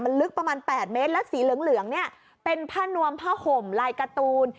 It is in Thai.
มันลึกประมาณ๘เมตรแล้วสีเหลืองเนี่ยเป็นผ้านวมผ้าห่มลายการ์ตูน